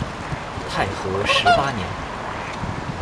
太和十八年。